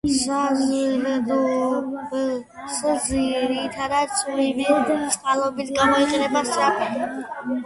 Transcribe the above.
საზრდოობს ძირითადად წვიმის წყლებით, გამოიყენება სარწყავად.